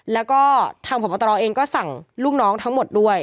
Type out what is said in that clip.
แล้วก็ทางพบตรเองก็สั่งลูกน้องทั้งหมดด้วย